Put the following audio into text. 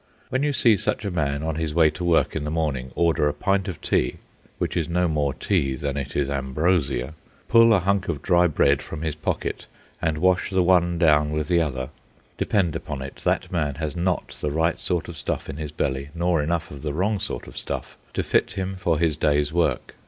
When you see such a man, on his way to work in the morning, order a pint of tea, which is no more tea than it is ambrosia, pull a hunk of dry bread from his pocket, and wash the one down with the other, depend upon it, that man has not the right sort of stuff in his belly, nor enough of the wrong sort of stuff, to fit him for his day's work.